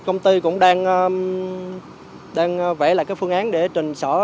công ty cũng đang vẽ lại cái phương án để trình sở